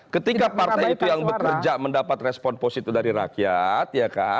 ketika partai itu yang bekerja mendapat respon positif dari rakyat